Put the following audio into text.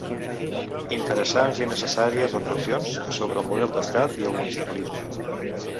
Interessants i necessàries reflexions sobre el model d’estat i el municipalisme.